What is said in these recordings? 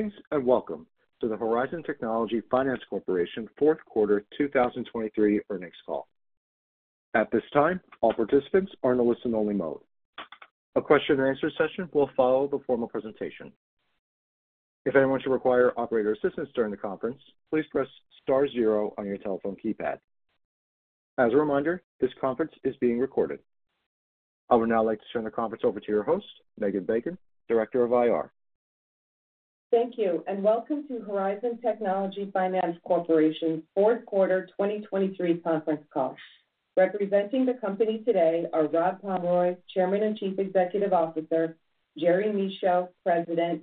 Greetings and welcome to the Horizon Technology Finance Corporation Q4 2023 earnings call. At this time, all participants are in a listen-only mode. A Q&A session will follow the formal presentation. If anyone should require operator assistance during the conference, please press star zero on your telephone keypad. As a reminder, this conference is being recorded. I would now like to turn the conference over to your host, Megan Bacon, Director of IR. Thank you, and welcome to Horizon Technology Finance Corporation's Q4 2023 conference call. Representing the company today are Rob Pomeroy, Chairman and Chief Executive Officer; Jerry Michaud, President;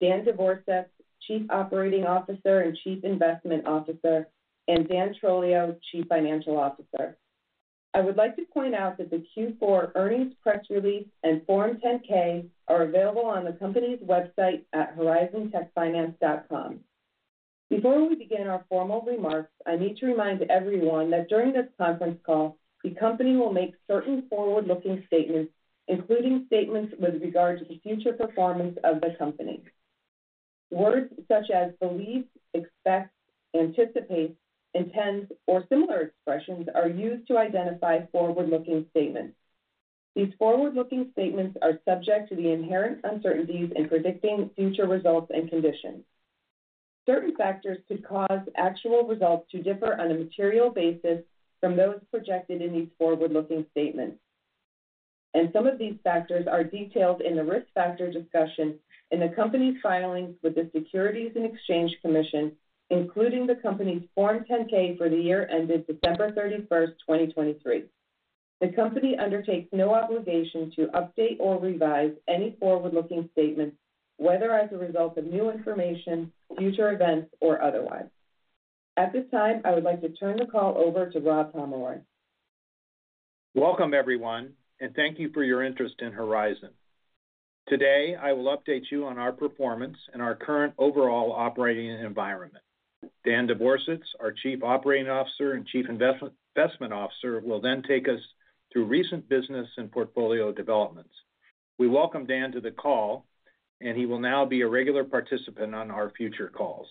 Dan Devorsetz, Chief Operating Officer and Chief Investment Officer; and Dan Trolio, Chief Financial Officer. I would like to point out that the Q4 earnings press release and Form 10-K are available on the company's website at horizontechfinance.com. Before we begin our formal remarks, I need to remind everyone that during this conference call, the company will make certain forward-looking statements, including statements with regard to the future performance of the company. Words such as believe, expect, anticipate, intend, or similar expressions are used to identify forward-looking statements. These forward-looking statements are subject to the inherent uncertainties in predicting future results and conditions. Certain factors could cause actual results to differ on a material basis from those projected in these forward-looking statements. Some of these factors are detailed in the risk factor discussion in the company's filings with the Securities and Exchange Commission, including the company's Form 10-K for the year ended December 31, 2023. The company undertakes no obligation to update or revise any forward-looking statements, whether as a result of new information, future events, or otherwise. At this time, I would like to turn the call over to Rob Pomeroy. Welcome, everyone, and thank you for your interest in Horizon. Today, I will update you on our performance and our current overall operating environment. Dan Devorsetz, our Chief Operating Officer and Chief Investment Officer, will then take us through recent business and portfolio developments. We welcome Dan to the call, and he will now be a regular participant on our future calls.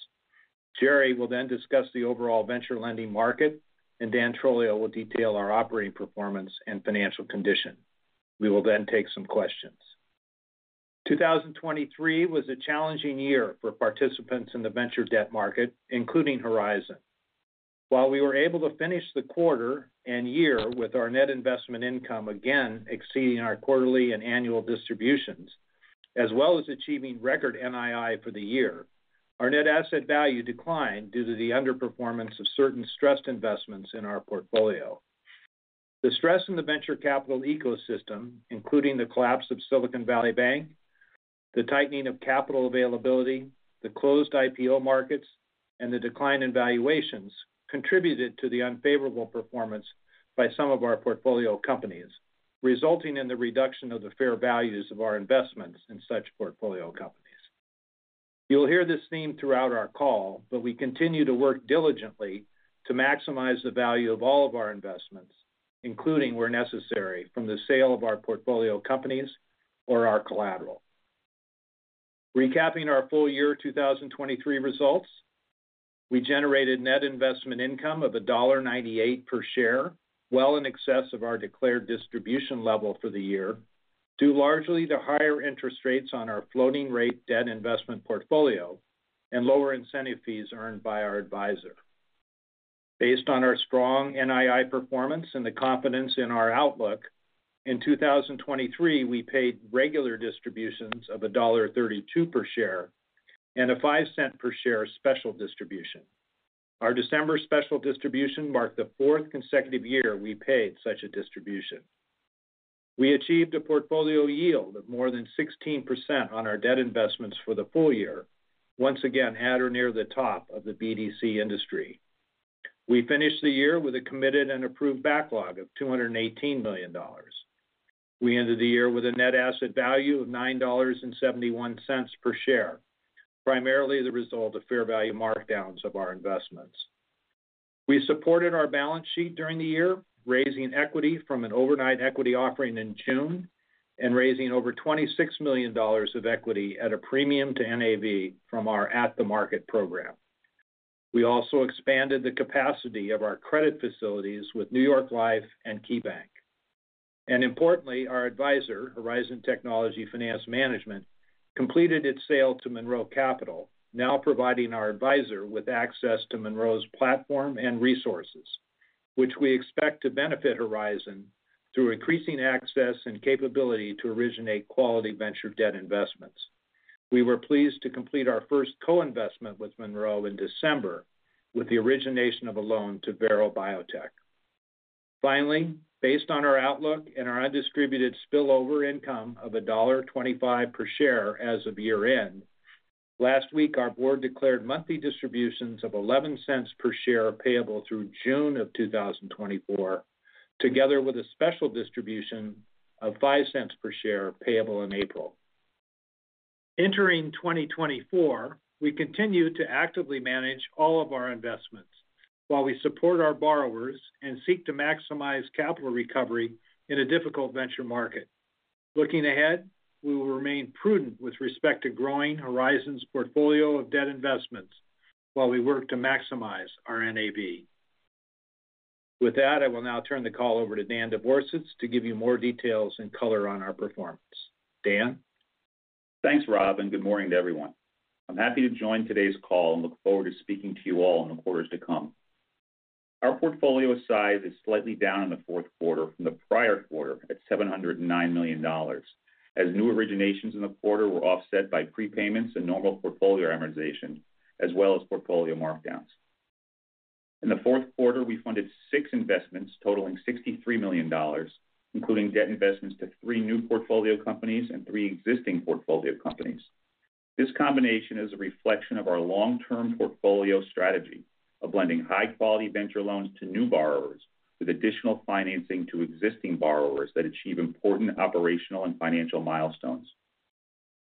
Jerry will then discuss the overall venture lending market, and Dan Trolio will detail our operating performance and financial condition. We will then take some questions. 2023 was a challenging year for participants in the venture debt market, including Horizon. While we were able to finish the quarter and year with our net investment income again exceeding our quarterly and annual distributions, as well as achieving record NII for the year, our net asset value declined due to the underperformance of certain stressed investments in our portfolio. The stress in the venture capital ecosystem, including the collapse of Silicon Valley Bank, the tightening of capital availability, the closed IPO markets, and the decline in valuations, contributed to the unfavorable performance by some of our portfolio companies, resulting in the reduction of the fair values of our investments in such portfolio companies. You'll hear this theme throughout our call, but we continue to work diligently to maximize the value of all of our investments, including where necessary, from the sale of our portfolio companies or our collateral. Recapping our full year 2023 results, we generated net investment income of $1.98 per share, well in excess of our declared distribution level for the year, due largely to higher interest rates on our floating-rate debt investment portfolio and lower incentive fees earned by our advisor. Based on our strong NII performance and the confidence in our outlook, in 2023, we paid regular distributions of $1.32 per share and a $0.05 per share special distribution. Our December special distribution marked the fourth consecutive year we paid such a distribution. We achieved a portfolio yield of more than 16% on our debt investments for the full year, once again at or near the top of the BDC industry. We finished the year with a committed and approved backlog of $218 million. We ended the year with a net asset value of $9.71 per share, primarily the result of fair value markdowns of our investments. We supported our balance sheet during the year, raising equity from an overnight equity offering in June and raising over $26 million of equity at a premium to NAV from our at-the-market program. We also expanded the capacity of our credit facilities with New York Life and KeyBank. Importantly, our advisor, Horizon Technology Finance Management, completed its sale to Monroe Capital, now providing our advisor with access to Monroe's platform and resources, which we expect to benefit Horizon through increasing access and capability to originate quality venture debt investments. We were pleased to complete our first co-investment with Monroe in December with the origination of a loan to Vero Biotech. Finally, based on our outlook and our undistributed spillover income of $1.25 per share as of year-end, last week, our board declared monthly distributions of $0.11 per share payable through June 2024, together with a special distribution of $0.05 per share payable in April. Entering 2024, we continue to actively manage all of our investments while we support our borrowers and seek to maximize capital recovery in a difficult venture market. Looking ahead, we will remain prudent with respect to growing Horizon's portfolio of debt investments while we work to maximize our NAV. With that, I will now turn the call over to Dan Devorsetz to give you more details and color on our performance. Dan? Thanks, Rob, and good morning to everyone. I'm happy to join today's call and look forward to speaking to you all in the quarters to come. Our portfolio size is slightly down in the Q4 from the prior quarter at $709 million, as new originations in the quarter were offset by prepayments and normal portfolio amortization, as well as portfolio markdowns. In the Q4, we funded six investments totaling $63 million, including debt investments to three new portfolio companies and three existing portfolio companies. This combination is a reflection of our long-term portfolio strategy of lending high-quality venture loans to new borrowers with additional financing to existing borrowers that achieve important operational and financial milestones.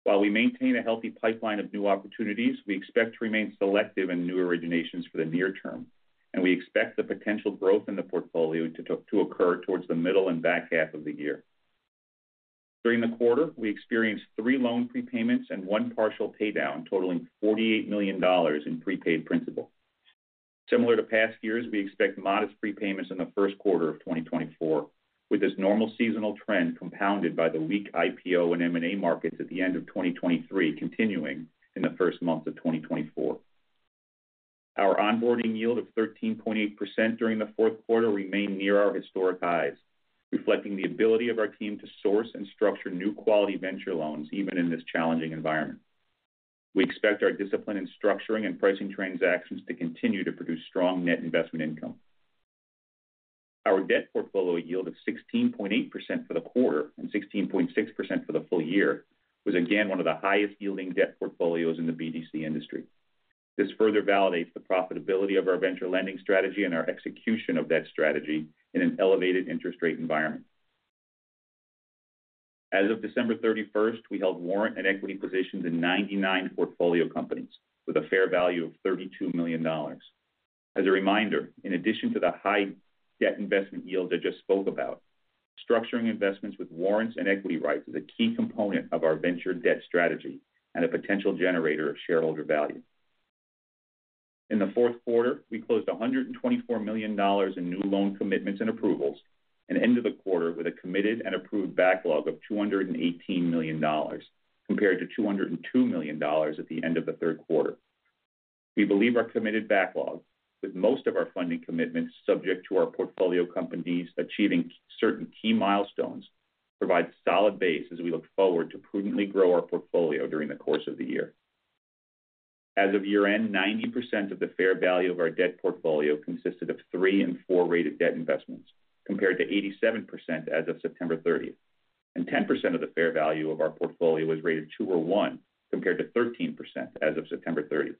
While we maintain a healthy pipeline of new opportunities, we expect to remain selective in new originations for the near term, and we expect the potential growth in the portfolio to occur towards the middle and back half of the year. During the quarter, we experienced three loan prepayments and one partial paydown totaling $48 million in prepaid principal. Similar to past years, we expect modest prepayments in the Q1 of 2024, with this normal seasonal trend compounded by the weak IPO and M&A markets at the end of 2023 continuing in the first months of 2024. Our onboarding yield of 13.8% during the Q4 remained near our historic highs, reflecting the ability of our team to source and structure new quality venture loans even in this challenging environment. We expect our discipline in structuring and pricing transactions to continue to produce strong net investment income. Our debt portfolio yield of 16.8% for the quarter and 16.6% for the full year was again one of the highest-yielding debt portfolios in the BDC industry. This further validates the profitability of our venture lending strategy and our execution of that strategy in an elevated interest rate environment. As of December 31, we held warrant and equity positions in 99 portfolio companies with a fair value of $32 million. As a reminder, in addition to the high debt investment yields I just spoke about, structuring investments with warrants and equity rights is a key component of our venture debt strategy and a potential generator of shareholder value. In the Q4, we closed $124 million in new loan commitments and approvals and ended the quarter with a committed and approved backlog of $218 million compared to $202 million at the end of the Q3. We believe our committed backlog, with most of our funding commitments subject to our portfolio companies achieving certain key milestones, provides a solid base as we look forward to prudently grow our portfolio during the course of the year. As of year-end, 90% of the fair value of our debt portfolio consisted of 3- and 4-rated debt investments compared to 87% as of September 30, and 10% of the fair value of our portfolio was rated 2 or 1 compared to 13% as of September 30.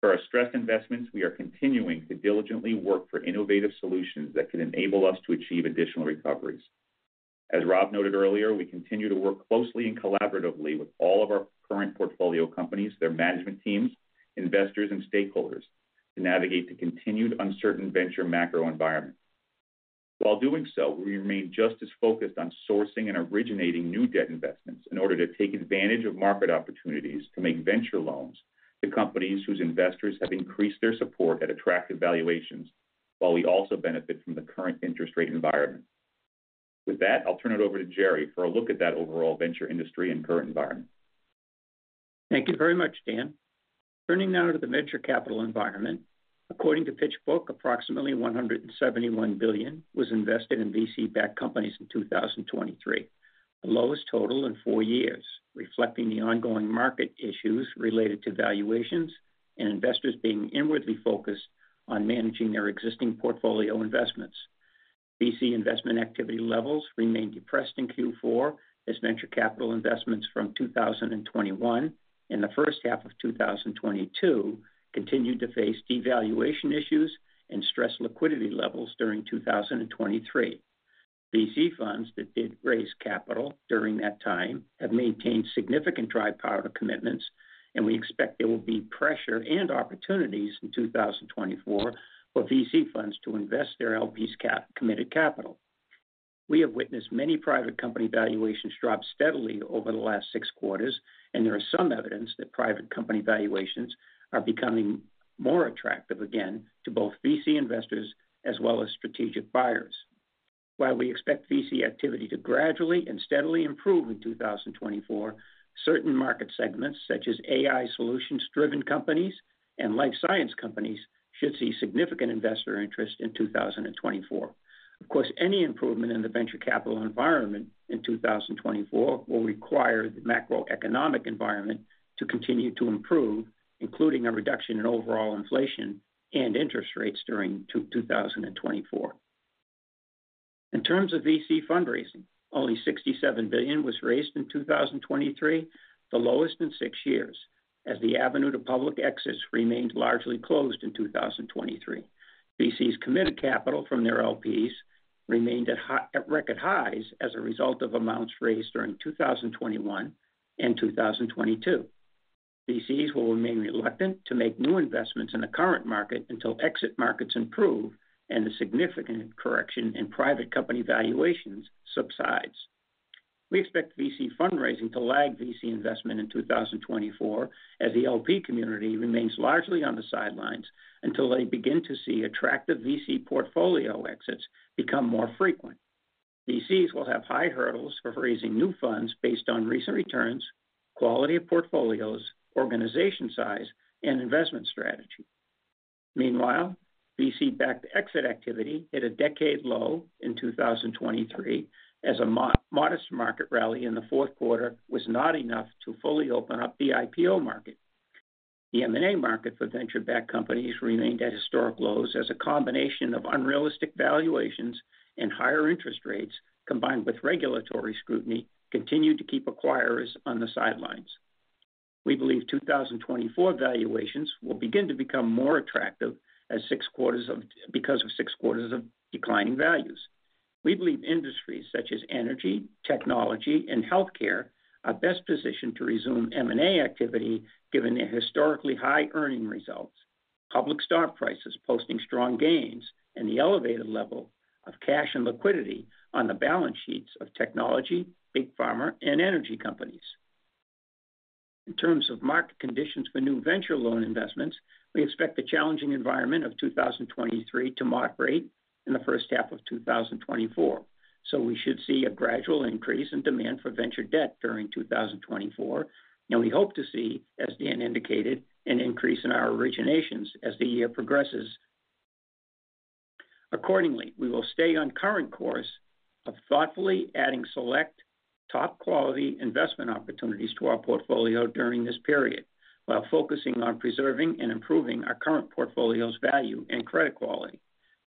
For our stressed investments, we are continuing to diligently work for innovative solutions that could enable us to achieve additional recoveries. As Rob noted earlier, we continue to work closely and collaboratively with all of our current portfolio companies, their management teams, investors, and stakeholders to navigate the continued uncertain venture macro environment. While doing so, we remain just as focused on sourcing and originating new debt investments in order to take advantage of market opportunities to make venture loans to companies whose investors have increased their support at attractive valuations, while we also benefit from the current interest rate environment. With that, I'll turn it over to Jerry for a look at that overall venture industry and current environment. Thank you very much, Dan. Turning now to the venture capital environment, according to PitchBook, approximately $171 billion was invested in VC-backed companies in 2023, the lowest total in four years, reflecting the ongoing market issues related to valuations and investors being inwardly focused on managing their existing portfolio investments. VC investment activity levels remained depressed in Q4 as venture capital investments from 2021 in the first half of 2022 continued to face devaluation issues and stressed liquidity levels during 2023. VC funds that did raise capital during that time have maintained significant dry powder commitments, and we expect there will be pressure and opportunities in 2024 for VC funds to invest their LP's committed capital. We have witnessed many private company valuations drop steadily over the last six quarters, and there is some evidence that private company valuations are becoming more attractive again to both VC investors as well as strategic buyers. While we expect VC activity to gradually and steadily improve in 2024, certain market segments such as AI solutions-driven companies and life science companies should see significant investor interest in 2024. Of course, any improvement in the venture capital environment in 2024 will require the macroeconomic environment to continue to improve, including a reduction in overall inflation and interest rates during 2024. In terms of VC fundraising, only $67 billion was raised in 2023, the lowest in six years, as the avenue to public exits remained largely closed in 2023. VCs committed capital from their LPs remained at record highs as a result of amounts raised during 2021 and 2022. VCs will remain reluctant to make new investments in the current market until exit markets improve and the significant correction in private company valuations subsides. We expect VC fundraising to lag VC investment in 2024 as the LP community remains largely on the sidelines until they begin to see attractive VC portfolio exits become more frequent. VCs will have high hurdles for raising new funds based on recent returns, quality of portfolios, organization size, and investment strategy. Meanwhile, VC-backed exit activity hit a decade-low in 2023 as a modest market rally in the Q4 was not enough to fully open up the IPO market. The M&A market for venture-backed companies remained at historic lows as a combination of unrealistic valuations and higher interest rates combined with regulatory scrutiny continued to keep acquirers on the sidelines. We believe 2024 valuations will begin to become more attractive because of six quarters of declining values. We believe industries such as energy, technology, and healthcare are best positioned to resume M&A activity given their historically high earning results, public stock prices posting strong gains, and the elevated level of cash and liquidity on the balance sheets of technology, big pharma, and energy companies. In terms of market conditions for new venture loan investments, we expect the challenging environment of 2023 to moderate in the first half of 2024, so we should see a gradual increase in demand for venture debt during 2024, and we hope to see, as Dan indicated, an increase in our originations as the year progresses. Accordingly, we will stay on current course of thoughtfully adding select top-quality investment opportunities to our portfolio during this period while focusing on preserving and improving our current portfolio's value and credit quality.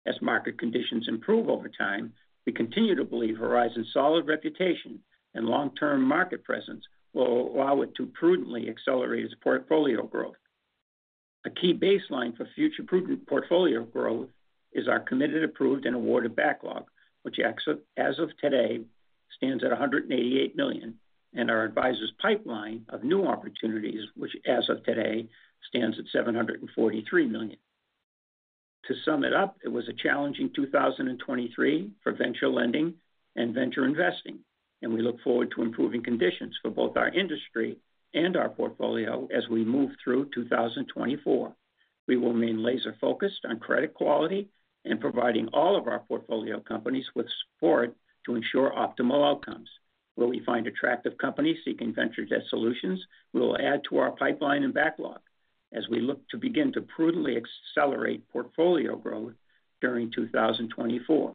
As market conditions improve over time, we continue to believe Horizon's solid reputation and long-term market presence will allow it to prudently accelerate its portfolio growth. A key baseline for future prudent portfolio growth is our committed, approved, and awarded backlog, which as of today stands at $188 million, and our advisor's pipeline of new opportunities, which as of today stands at $743 million. To sum it up, it was a challenging 2023 for venture lending and venture investing, and we look forward to improving conditions for both our industry and our portfolio as we move through 2024. We will remain laser-focused on credit quality and providing all of our portfolio companies with support to ensure optimal outcomes. Will we find attractive companies seeking venture debt solutions? We will add to our pipeline and backlog as we look to begin to prudently accelerate portfolio growth during 2024.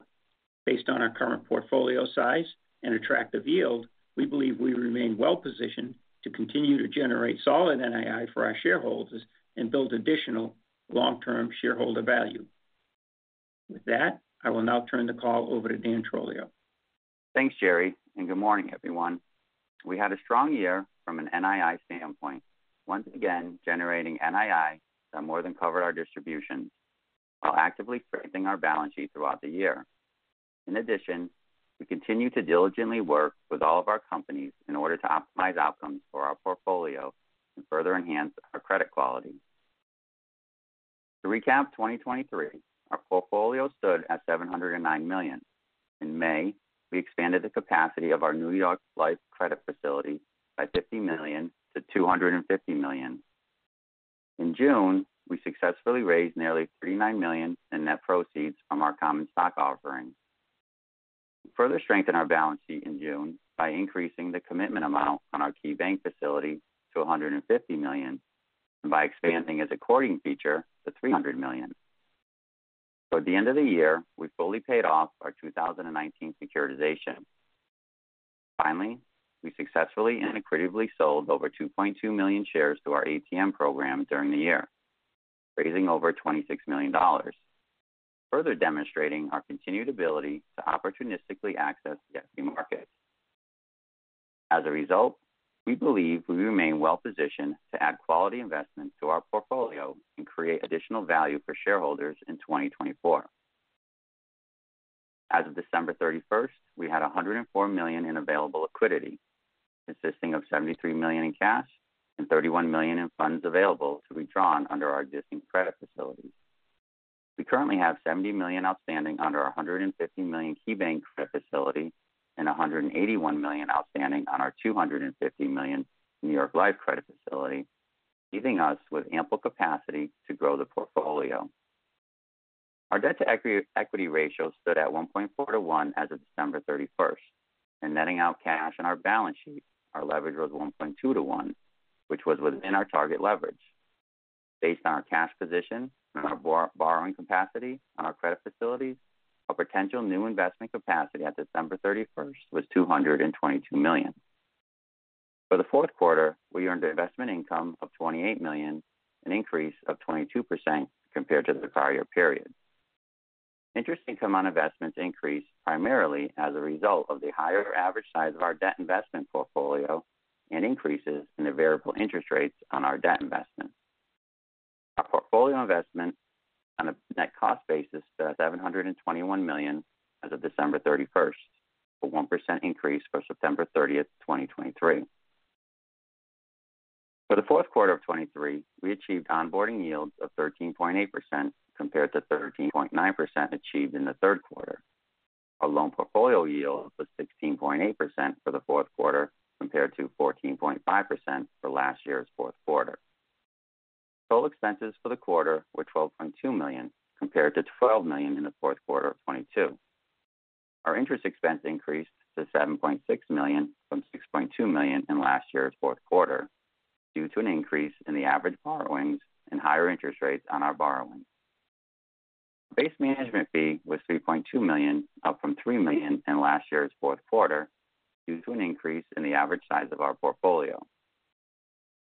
Based on our current portfolio size and attractive yield, we believe we remain well-positioned to continue to generate solid NII for our shareholders and build additional long-term shareholder value. With that, I will now turn the call over to Dan Trolio. Thanks, Jerry, and good morning, everyone. We had a strong year from an NII standpoint, once again generating NII that more than covered our distributions while actively strengthening our balance sheet throughout the year. In addition, we continue to diligently work with all of our companies in order to optimize outcomes for our portfolio and further enhance our credit quality. To recap 2023, our portfolio stood at $709 million. In May, we expanded the capacity of our New York Life credit facility by $50 million to $250 million. In June, we successfully raised nearly $39 million in net proceeds from our common stock offering. We further strengthened our balance sheet in June by increasing the commitment amount on our KeyBanc facility to $150 million and by expanding its accordion feature to $300 million. Toward the end of the year, we fully paid off our 2019 securitization. Finally, we successfully and equitably sold over 2.2 million shares to our ATM program during the year, raising over $26 million, further demonstrating our continued ability to opportunistically access the equity market. As a result, we believe we remain well-positioned to add quality investments to our portfolio and create additional value for shareholders in 2024. As of December 31, we had $104 million in available liquidity, consisting of $73 million in cash and $31 million in funds available to be drawn under our existing credit facilities. We currently have $70 million outstanding under our $150 million KeyBanc credit facility and $181 million outstanding on our $250 million New York Life credit facility, leaving us with ample capacity to grow the portfolio. Our debt to equity ratio stood at 1.4-to-1 as of December 31, and netting out cash on our balance sheet, our leverage was 1.2-to-1, which was within our target leverage. Based on our cash position and our borrowing capacity on our credit facilities, our potential new investment capacity at December 31 was $222 million. For the Q4, we earned investment income of $28 million, an increase of 22% compared to the prior year. Interest income on investments increased primarily as a result of the higher average size of our debt investment portfolio and increases in the variable interest rates on our debt investments. Our portfolio investments on a net cost basis stood at $721 million as of December 31, a 1% increase for September 30, 2023. For the Q4 of 2023, we achieved onboarding yields of 13.8% compared to 13.9% achieved in the Q3. Our loan portfolio yield was 16.8% for the Q4 compared to 14.5% for last year's Q4. Total expenses for the quarter were $12.2 million compared to $12 million in the Q4 of 2022. Our interest expense increased to $7.6 million from $6.2 million in last year's Q4 due to an increase in the average borrowings and higher interest rates on our borrowings. Our base management fee was $3.2 million, up from $3 million in last year's Q4 due to an increase in the average size of our portfolio.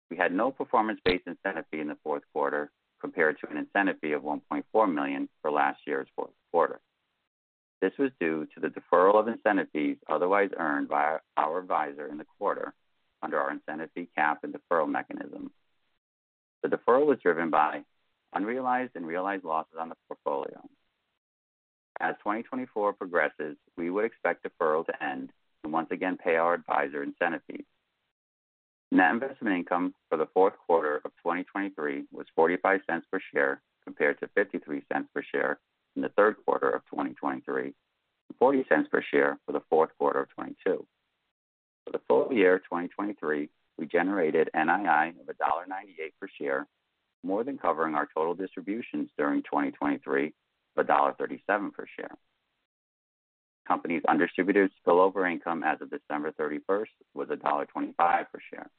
We had no performance-based incentive fee in the Q4 compared to an incentive fee of $1.4 million for last year's Q4. This was due to the deferral of incentive fees otherwise earned by our advisor in the quarter under our incentive fee cap and deferral mechanism. The deferral was driven by unrealized and realized losses on the portfolio. As 2024 progresses, we would expect deferral to end and once again pay our advisor incentive fees. Net investment income for the Q4 of 2023 was $0.45 per share compared to $0.53 per share in the Q3 of 2023 and $0.40 per share for the Q4 of 2022. For the full year 2023, we generated NII of $1.98 per share, more than covering our total distributions during 2023 of $1.37 per share. Company's undistributed spillover income as of December 31 was $1.25 per share.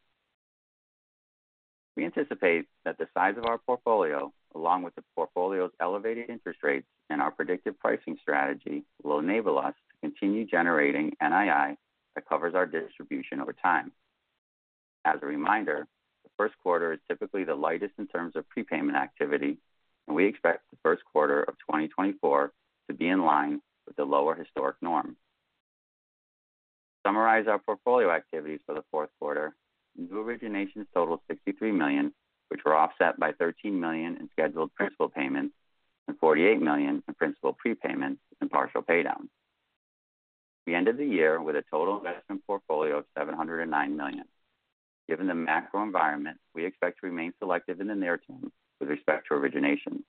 We anticipate that the size of our portfolio, along with the portfolio's elevated interest rates and our predictive pricing strategy, will enable us to continue generating NII that covers our distribution over time. As a reminder, the Q1 is typically the lightest in terms of prepayment activity, and we expect the Q1 of 2024 to be in line with the lower historic norm. To summarize our portfolio activities for the Q4, new originations totaled $63 million, which were offset by $13 million in scheduled principal payments and $48 million in principal prepayments and partial paydowns. We ended the year with a total investment portfolio of $709 million. Given the macro environment, we expect to remain selective in the near term with respect to originations.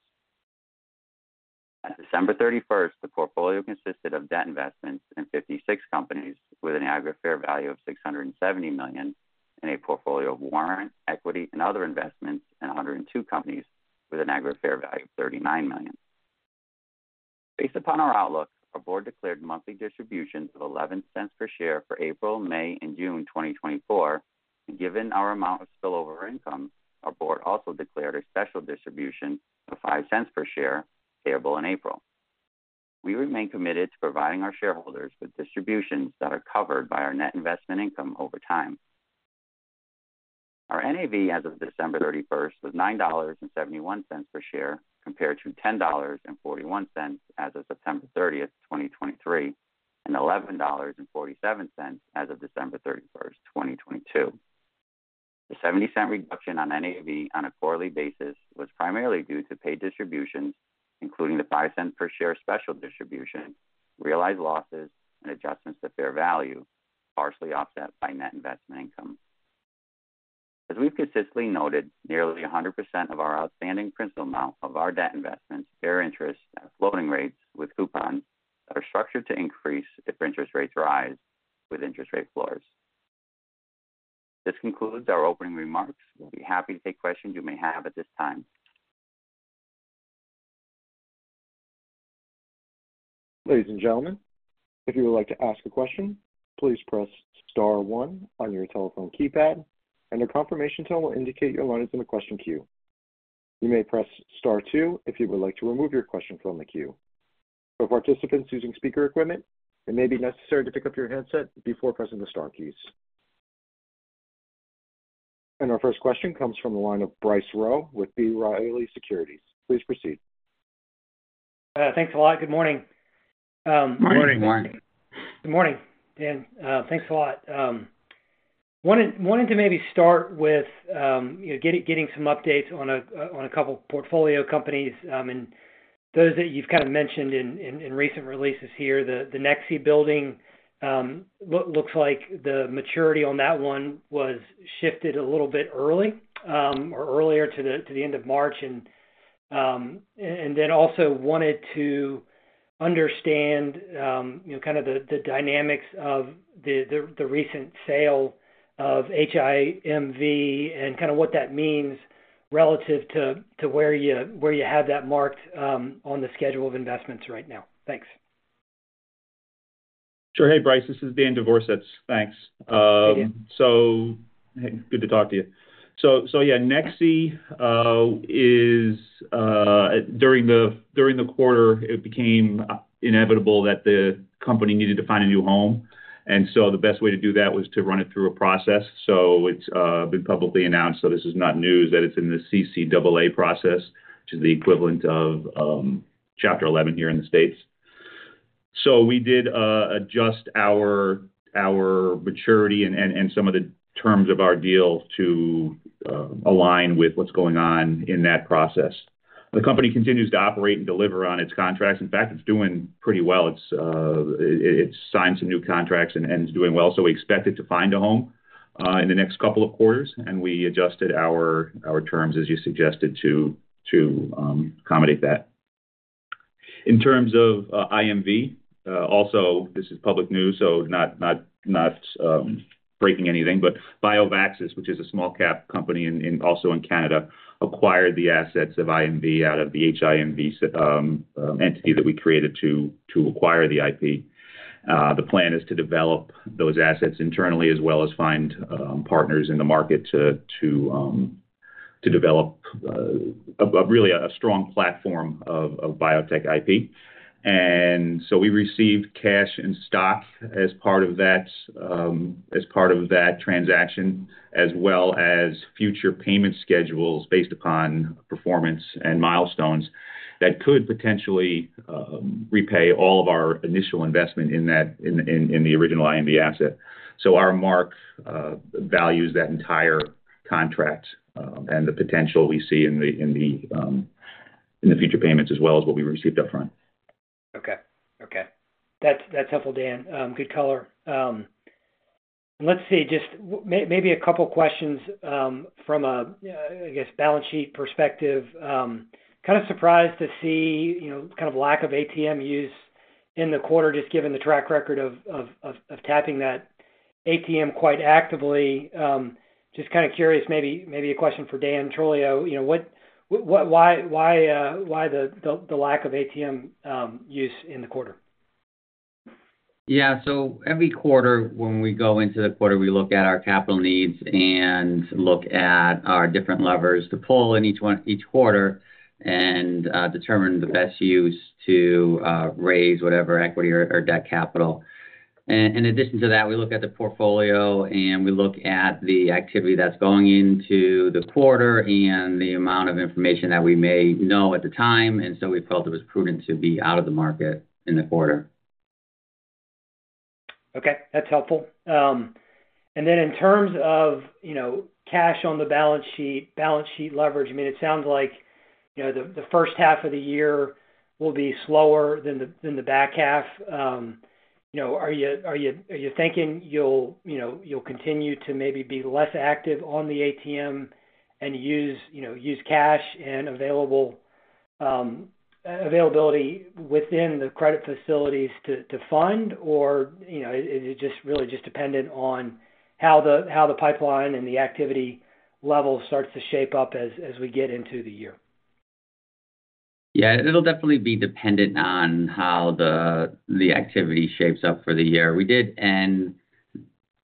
At December 31, the portfolio consisted of debt investments in 56 companies with an aggregate fair value of $670 million and a portfolio of warrant, equity, and other investments in 102 companies with an aggregate fair value of $39 million. Based upon our outlook, our board declared monthly distributions of $0.11 per share for April, May, and June 2024, and given our amount of spillover income, our board also declared a special distribution of $0.05 per share payable in April. We remain committed to providing our shareholders with distributions that are covered by our net investment income over time. Our NAV as of December 31 was $9.71 per share compared to $10.41 as of September 30, 2023, and $11.47 as of December 31, 2022. The $0.70 reduction on NAV on a quarterly basis was primarily due to paid distributions, including the $0.05 per share special distribution, realized losses, and adjustments to fair value, partially offset by net investment income. As we've consistently noted, nearly 100% of our outstanding principal amount of our debt investments bear interest at floating rates with coupons that are structured to increase if interest rates rise with interest rate floors. This concludes our opening remarks. We'll be happy to take questions you may have at this time. Ladies and gentlemen, if you would like to ask a question, please press star one on your telephone keypad, and a confirmation tone will indicate your line is in the question queue. You may press star two if you would like to remove your question from the queue. For participants using speaker equipment, it may be necessary to pick up your headset before pressing the star keys. Our first question comes from the line of Bryce Rowe with B. Riley Securities. Please proceed. Thanks a lot. Good morning. Morning. Morning. Good morning, Dan. Thanks a lot. Wanted to maybe start with getting some updates on a couple of portfolio companies. And those that you've kind of mentioned in recent releases here, the Nexii Building, looks like the maturity on that one was shifted a little bit early or earlier to the end of March. And then also wanted to understand kind of the dynamics of the recent sale of IMV and kind of what that means relative to where you have that marked on the schedule of investments right now. Thanks. Sure. Hey, Bryce. This is Dan Devorsetz. Thanks. So good to talk to you. So yeah, Nexii, during the quarter, it became inevitable that the company needed to find a new home. And so the best way to do that was to run it through a process. So it's been publicly announced. So this is not news that it's in the CCAA process, which is the equivalent of Chapter 11 here in the States. So we did adjust our maturity and some of the terms of our deal to align with what's going on in that process. The company continues to operate and deliver on its contracts. In fact, it's doing pretty well. It's signed some new contracts and is doing well. So we expect it to find a home in the next couple of quarters. And we adjusted our terms, as you suggested, to accommodate that. In terms of IMV, also, this is public news, so not breaking anything, but BioVaxys, which is a small-cap company also in Canada, acquired the assets of IMV out of the IMV entity that we created to acquire the IP. The plan is to develop those assets internally as well as find partners in the market to develop really a strong platform of biotech IP. And so we received cash and stock as part of that transaction as well as future payment schedules based upon performance and milestones that could potentially repay all of our initial investment in the original IMV asset. So our mark values that entire contract and the potential we see in the future payments as well as what we received upfront. Okay. That's helpful, Dan. Good color. Let's see. Maybe a couple of questions from a, I guess, balance sheet perspective. Kind of surprised to see kind of lack of ATM use in the quarter, just given the track record of tapping that ATM quite actively. Just kind of curious, maybe a question for Dan Trolio. Why the lack of ATM use in the quarter? Yeah. So every quarter, when we go into the quarter, we look at our capital needs and look at our different levers to pull in each quarter and determine the best use to raise whatever equity or debt capital. In addition to that, we look at the portfolio, and we look at the activity that's going into the quarter and the amount of information that we may know at the time. And so we felt it was prudent to be out of the market in the quarter. Okay. That's helpful. And then in terms of cash on the balance sheet, balance sheet leverage, I mean, it sounds like the first half of the year will be slower than the back half. Are you thinking you'll continue to maybe be less active on the ATM and use cash and availability within the credit facilities to fund, or is it really just dependent on how the pipeline and the activity level starts to shape up as we get into the year? Yeah. It'll definitely be dependent on how the activity shapes up for the year. We did end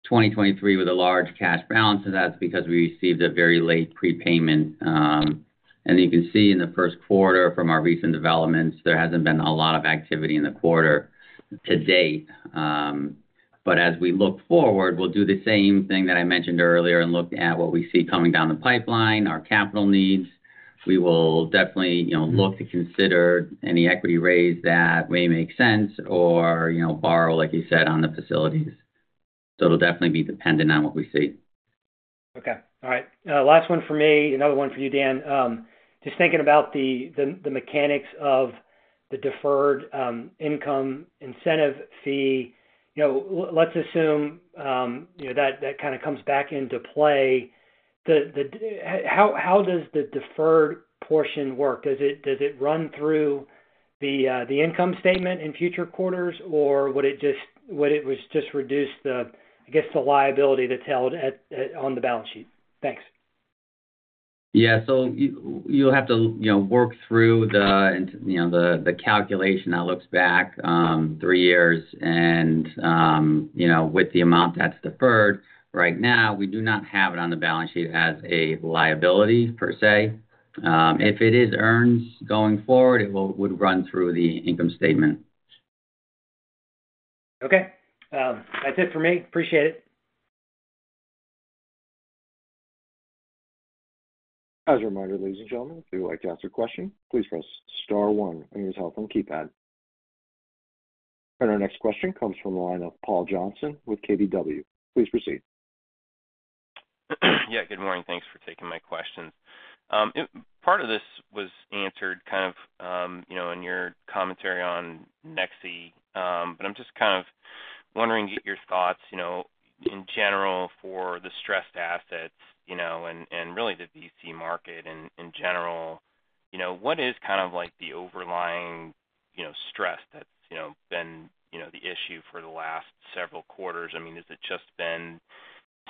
2023 with a large cash balance, and that's because we received a very late prepayment. You can see in the Q1 from our recent developments, there hasn't been a lot of activity in the quarter to date. As we look forward, we'll do the same thing that I mentioned earlier and look at what we see coming down the pipeline, our capital needs. We will definitely look to consider any equity raise that may make sense or borrow, like you said, on the facilities. It'll definitely be dependent on what we see. Okay. All right. Last one for me, another one for you, Dan. Just thinking about the mechanics of the deferred income incentive fee, let's assume that kind of comes back into play. How does the deferred portion work? Does it run through the income statement in future quarters, or would it just reduce, I guess, the liability that's held on the balance sheet? Thanks. Yeah. So you'll have to work through the calculation that looks back three years and with the amount that's deferred. Right now, we do not have it on the balance sheet as a liability per se. If it earns going forward, it would run through the income statement. Okay. That's it for me. Appreciate it. As a reminder, ladies and gentlemen, if you would like to ask a question, please press star one on your telephone keypad. Our next question comes from the line of Paul Johnson with KBW. Please proceed. Yeah. Good morning. Thanks for taking my questions. Part of this was answered kind of in your commentary on Nexii, but I'm just kind of wondering your thoughts in general for the stressed assets and really the VC market in general. What is kind of the overlying stress that's been the issue for the last several quarters? I mean, has it just been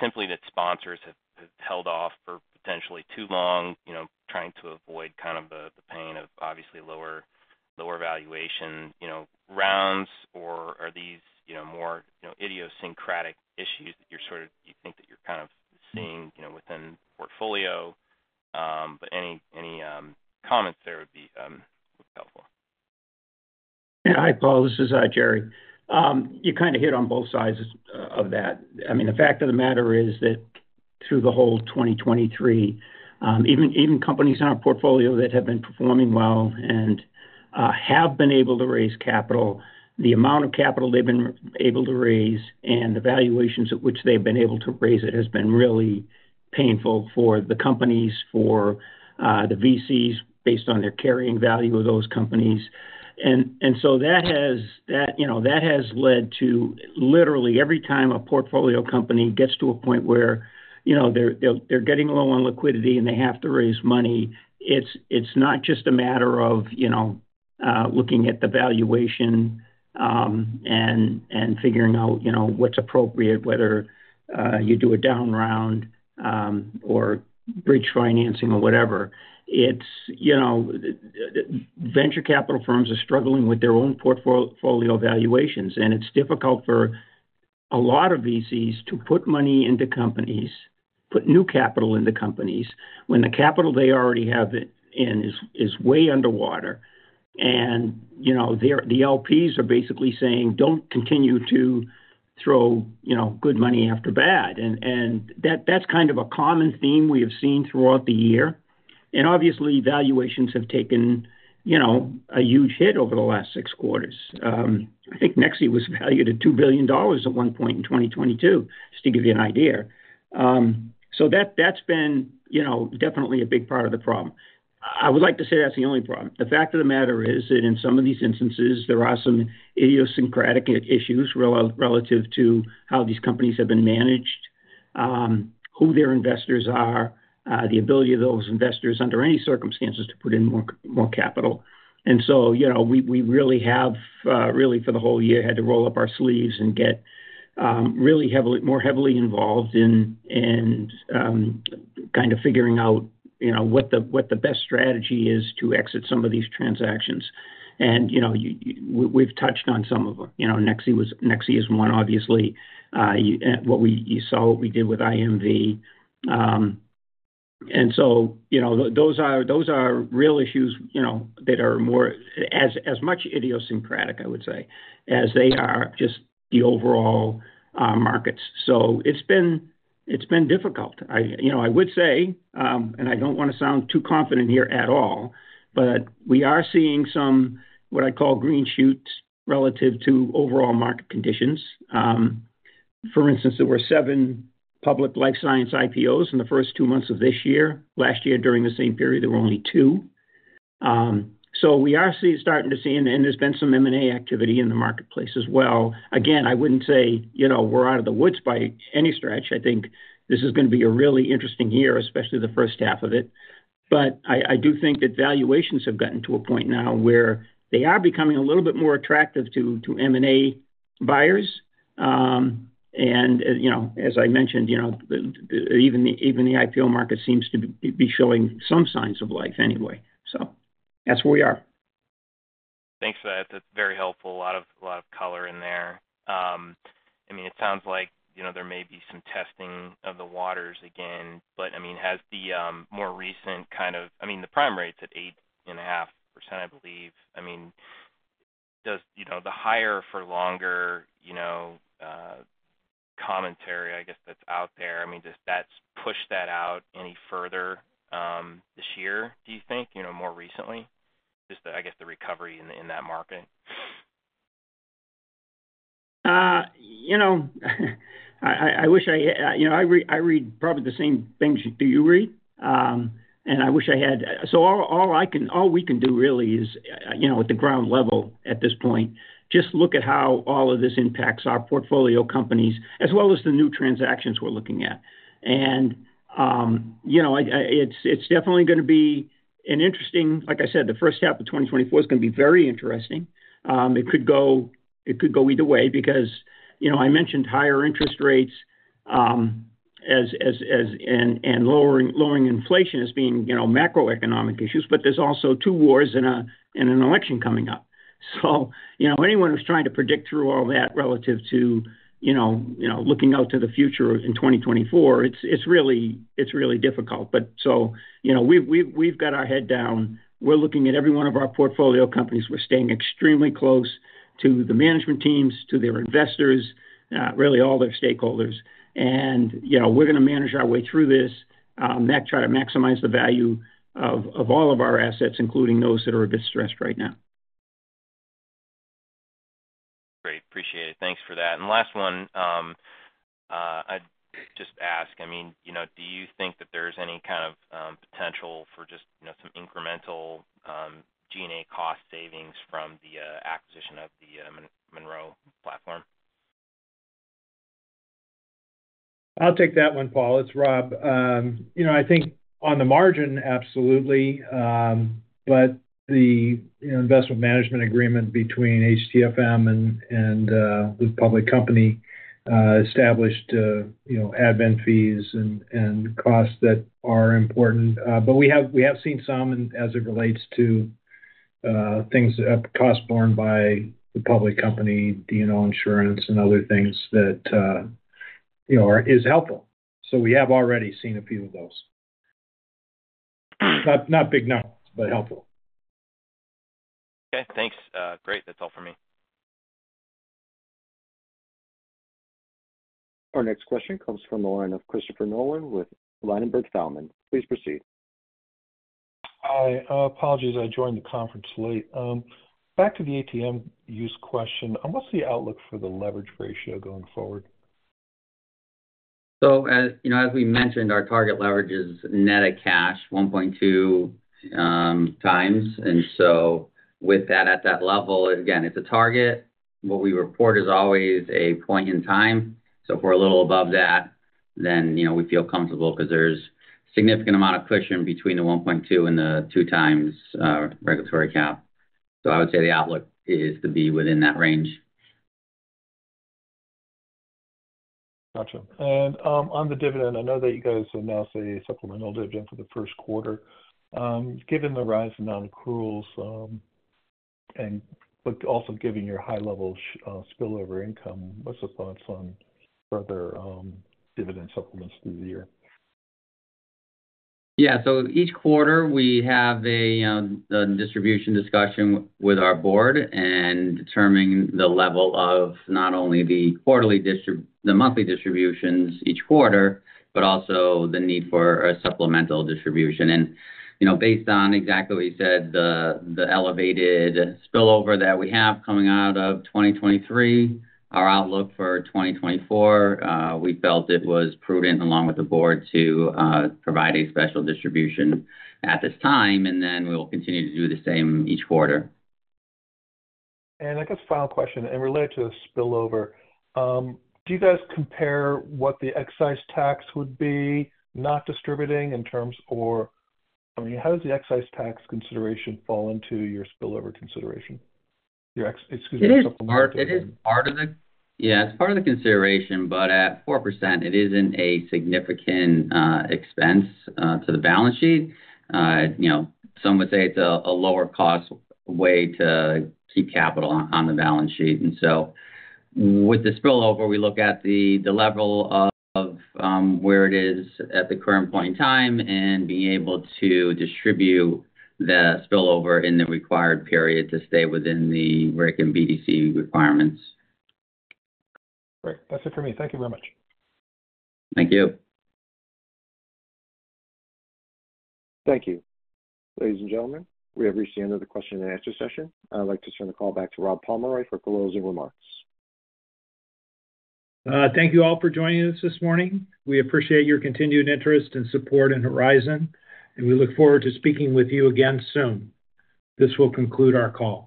simply that sponsors have held off for potentially too long trying to avoid kind of the pain of obviously lower valuation rounds, or are these more idiosyncratic issues that you think that you're kind of seeing within the portfolio? But any comments there would be helpful. Yeah. Hi, Paul. This is Jerry. You kind of hit on both sides of that. I mean, the fact of the matter is that through the whole 2023, even companies in our portfolio that have been performing well and have been able to raise capital, the amount of capital they've been able to raise and the valuations at which they've been able to raise it has been really painful for the companies, for the VCs, based on their carrying value of those companies. And so that has led to literally every time a portfolio company gets to a point where they're getting low on liquidity and they have to raise money, it's not just a matter of looking at the valuation and figuring out what's appropriate, whether you do a down round or bridge financing or whatever. Venture capital firms are struggling with their own portfolio valuations, and it's difficult for a lot of VCs to put money into companies, put new capital into companies when the capital they already have in is way underwater. The LPs are basically saying, "Don't continue to throw good money after bad." That's kind of a common theme we have seen throughout the year. Obviously, valuations have taken a huge hit over the last six quarters. I think Nexii was valued at $2 billion at one point in 2022, just to give you an idea. That's been definitely a big part of the problem. I would like to say that's the only problem. The fact of the matter is that in some of these instances, there are some idiosyncratic issues relative to how these companies have been managed, who their investors are, the ability of those investors under any circumstances to put in more capital. And so we really have, really for the whole year, had to roll up our sleeves and get really more heavily involved in kind of figuring out what the best strategy is to exit some of these transactions. And we've touched on some of them. Nexii is one, obviously, what we saw what we did with IMV. And so those are real issues that are more as much idiosyncratic, I would say, as they are just the overall markets. So it's been difficult. I would say, and I don't want to sound too confident here at all, but we are seeing somewhat what I call green shoots relative to overall market conditions. For instance, there were 7 public life science IPOs in the first two months of this year. Last year, during the same period, there were only 2. So we are starting to see and there's been some M&A activity in the marketplace as well. Again, I wouldn't say we're out of the woods by any stretch. I think this is going to be a really interesting year, especially the first half of it. But I do think that valuations have gotten to a point now where they are becoming a little bit more attractive to M&A buyers. And as I mentioned, even the IPO market seems to be showing some signs of life anyway. So that's where we are. Thanks, Dan. That's very helpful. A lot of color in there. I mean, it sounds like there may be some testing of the waters again. But I mean, has the more recent kind of - I mean, the prime rate's at 8.5%, I believe. I mean, does the higher for longer commentary, I guess, that's out there, I mean, just that's pushed that out any further this year, do you think, more recently, just, I guess, the recovery in that market? I wish I read probably the same things you read. And I wish I had, so all we can do, really, at the ground level at this point, is just look at how all of this impacts our portfolio companies as well as the new transactions we're looking at. And it's definitely going to be an interesting, like I said, the first half of 2024 is going to be very interesting. It could go either way because I mentioned higher interest rates and lowering inflation as being macroeconomic issues. But there's also two wars and an election coming up. So anyone who's trying to predict through all that relative to looking out to the future in 2024, it's really difficult. But so we've got our head down. We're looking at every one of our portfolio companies. We're staying extremely close to the management teams, to their investors, really all their stakeholders. We're going to manage our way through this, try to maximize the value of all of our assets, including those that are a bit stressed right now. Great. Appreciate it. Thanks for that. And last one, I'd just ask. I mean, do you think that there's any kind of potential for just some incremental G&A cost savings from the acquisition of the Monroe platform? I'll take that one, Paul. It's Rob. I think on the margin, absolutely. But the investment management agreement between HTFM and the public company established admin fees and costs that are important. But we have seen some as it relates to things, costs borne by the public company, D&O insurance, and other things that is helpful. So we have already seen a few of those. Not big numbers, but helpful. Okay. Thanks. Great. That's all for me. Our next question comes from the line of Christopher Nolan with Ladenburg Thalmann. Please proceed. Hi. Apologies. I joined the conference late. Back to the ATM use question. What's the outlook for the leverage ratio going forward? So, as we mentioned, our target leverage is net at cash 1.2x. And so, with that at that level, again, it's a target. What we report is always a point in time. So, if we're a little above that, then we feel comfortable because there's a significant amount of cushion between the 1.2 and the 2x regulatory cap. So, I would say the outlook is to be within that range. Gotcha. On the dividend, I know that you guys announced a supplemental dividend for the Q1. Given the rise in non-accruals and also given your high-level spillover income, what's your thoughts on further dividend supplements through the year? Yeah. So each quarter, we have a distribution discussion with our board and determine the level of not only the monthly distributions each quarter, but also the need for a supplemental distribution. And based on exactly what you said, the elevated spillover that we have coming out of 2023, our outlook for 2024, we felt it was prudent along with the board to provide a special distribution at this time. And then we'll continue to do the same each quarter. I guess final question in relation to the spillover. Do you guys compare what the excise tax would be not distributing in terms of, I mean, how does the excise tax consideration fall into your spillover consideration, your, excuse me, supplemental? It is part of the, yeah, it's part of the consideration, but at 4%, it isn't a significant expense to the balance sheet. Some would say it's a lower-cost way to keep capital on the balance sheet. And so with the spillover, we look at the level of where it is at the current point in time and being able to distribute the spillover in the required period to stay within the RIC and BDC requirements. Great. That's it for me. Thank you very much. Thank you. Thank you. Ladies and gentlemen, we have reached the end of the Q&A session. I'd like to turn the call back to Rob Pomeroy for closing remarks. Thank you all for joining us this morning. We appreciate your continued interest and support in Horizon, and we look forward to speaking with you again soon. This will conclude our call.